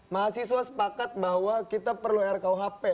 mahasiswa sepakat bahwa kita perlu rkuhp